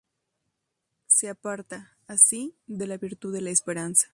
Se aparta, así, de la virtud de la esperanza.